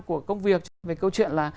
của công việc về câu chuyện là